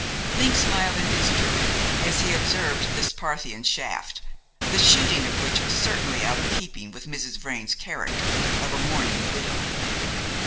Link smiled in his turn as he observed this Parthian shaft, the shooting of which was certainly out of keeping with Mrs. Vrain's character of a mourning widow.